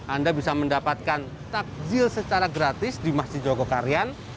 anda bisa mendapatkan takjil secara gratis di masjid jogokarian